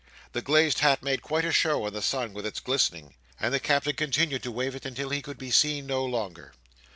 The glazed hat made quite a show in the sun with its glistening, and the Captain continued to wave it until he could be seen no longer.